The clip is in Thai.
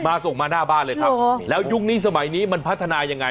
ส่งมาหน้าบ้านเลยครับแล้วยุคนี้สมัยนี้มันพัฒนายังไง